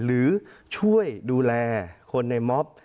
หรือช่วยดูแลคนในม็อบ